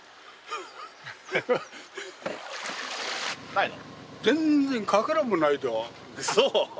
ないの？